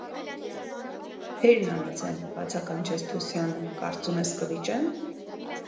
- Հե՛րն անիծեմ,- բացականչեց Թուսյանը,- կարծում ես՝ կվիճե՞մ: